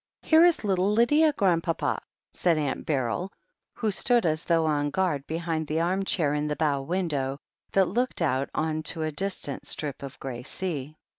"Here is little Lydia, Grandpapa," said Aimt Beryl, who stood as though on guard behind the arm chair in the bow window, that looked out on to a distant strip of grey sea.